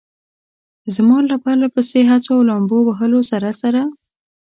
زما له پرله پسې هڅو او لامبو وهلو سره سره.